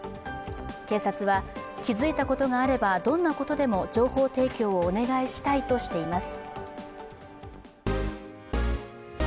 警察は、気付いたことがあればどんなことでも情報提供をお願いしたいとしています。